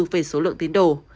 về số lượng tín đồ